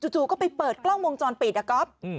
จู่ก็ไปเปิดกล้องวงจรปิดอะก๊อฟ